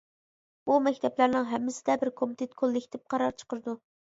بۇ مەكتەپلەرنىڭ ھەممىسىدە بىر كومىتېت كوللېكتىپ قارار چىقىرىدۇ.